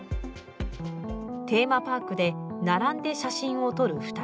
テーマパークで並んで写真を撮る２人。